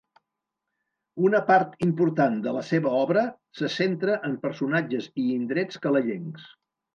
Una part important de la seva obra se centra en personatges i indrets calellencs.